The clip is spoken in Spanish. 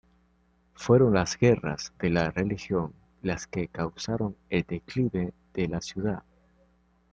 Fueron las guerras de religión las que causaron el declive de la ciudad.